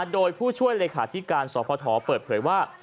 โดยผู้ช่วยเลขาธิการสพเปิดเผยว่า